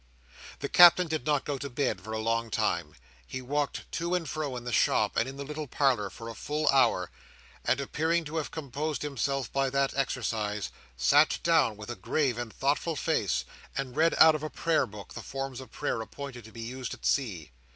The Captain did not go to bed for a long time. He walked to and fro in the shop and in the little parlour, for a full hour, and, appearing to have composed himself by that exercise, sat down with a grave and thoughtful face, and read out of a Prayer book the forms of prayer appointed to be used at sea.